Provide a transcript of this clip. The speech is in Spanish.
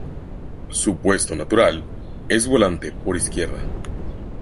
Su puesto natural es volante por izquierda.